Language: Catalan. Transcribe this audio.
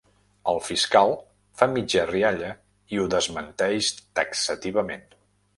El fiscal fa mitja rialla i ho desmenteix taxativament.